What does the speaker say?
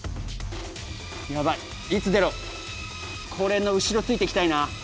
ヤバいいつ出ろこれの後ろついていきたいな